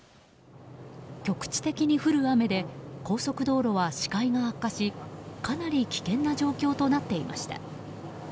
局地的に降る雨で高速道路は視界が悪化しかなり危険な状況となっていました。